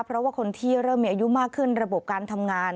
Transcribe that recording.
เพราะว่าคนที่เริ่มมีอายุมากขึ้นระบบการทำงาน